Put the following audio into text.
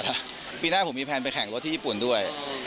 นายพื้นห้ามีแผ่นแข่งรถที่ญี่ปุ่นด้วย